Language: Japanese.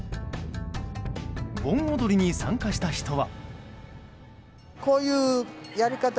盆踊りに参加した人は。